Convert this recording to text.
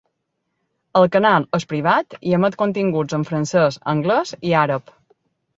El canal és privat i emet continguts en francès, anglès i àrab.